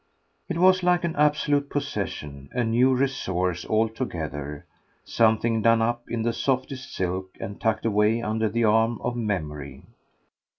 It was like an absolute possession, a new resource altogether, something done up in the softest silk and tucked away under the arm of memory.